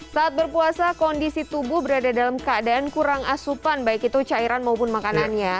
saat berpuasa kondisi tubuh berada dalam keadaan kurang asupan baik itu cairan maupun makanannya